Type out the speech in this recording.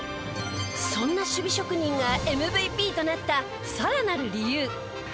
そんな守備職人がＭＶＰとなったさらなる理由。